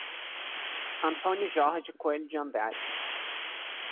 Antônio Jorge Coelho de Andrade